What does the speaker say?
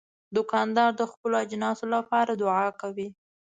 دوکاندار د خپلو اجناسو لپاره دعا کوي.